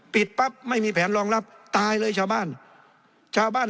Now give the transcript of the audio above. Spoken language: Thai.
ปิดปั๊บไม่มีแผนรองรับตายเลยชาวบ้าน